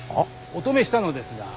お止めしたのですが。